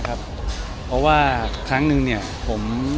เพราะว่าครั้งนึงเนี่ยผม